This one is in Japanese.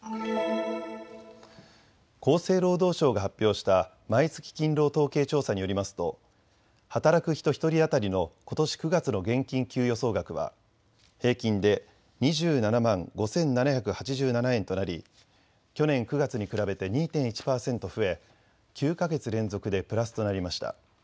厚生労働省が発表した毎月勤労統計調査によりますと働く人１人当たりのことし９月の現金給与総額は平均で２７万５７８７円となり、去年９月に比べて２．１％増え９か月連続でプラスとなりました。